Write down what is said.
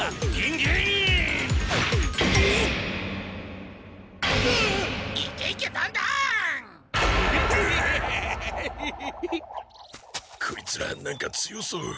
ゲッ！こいつら何か強そう。